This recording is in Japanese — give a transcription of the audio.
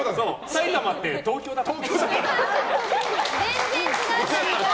埼玉って東京だから。